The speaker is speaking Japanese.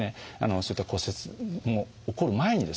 そういった骨折の起こる前にですね